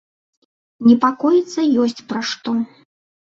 Непакоіцца ёсць пра што.